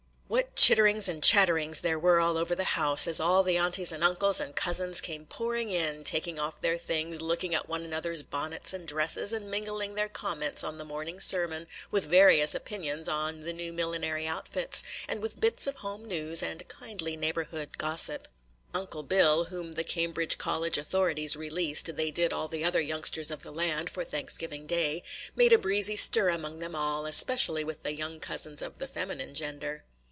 What chitterings and chatterings there were all over the house, as all the aunties and uncles and cousins came pouring in, taking off their things, looking at one another's bonnets and dresses, and mingling their comments on the morning sermon with various opinions on the new millinery outfits, and with bits of home news, and kindly neighborhood gossip. Uncle Bill, whom the Cambridge college authorities released, they did all the other youngsters of the land, for Thanksgiving day, made a breezy stir among them all, especially with the young cousins of the feminine gender.